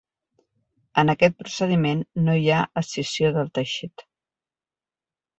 En aquest procediment no hi ha escissió del teixit.